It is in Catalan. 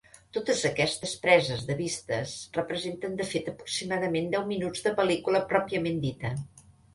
Totes aquestes preses de vistes representen de fet aproximadament deu minuts de pel·lícula pròpiament dita.